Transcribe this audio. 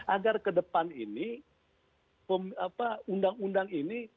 agar ke depan ini undang undang ini